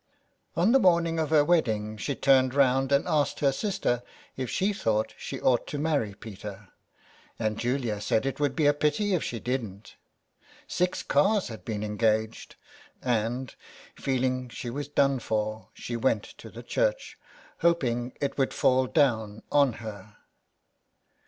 On the morning of her wedding she turned round and asked her sister if she thought she ought to marry Peter, and Julia said it would be a pity if she didn't. Six cars had been engaged, and, feeling she was done for, she went to the church, hoping it would fall down on her.